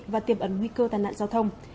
và tiềm ẩn nguy cơ tàn nạn giao thông